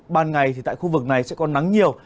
ban ngày thì tại khu vực này sẽ có nắng nhiều